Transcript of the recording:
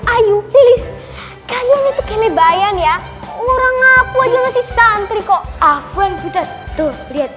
ayo please kalian itu kelebayang ya orang aku aja masih santri kok afan betul tuh lihat